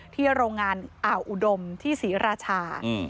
โรงงานอ่าวอุดมที่ศรีราชา